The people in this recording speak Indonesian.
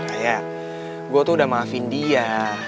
kayak gue tuh udah maafin dia